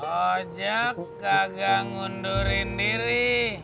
ojak kagak ngundurin diri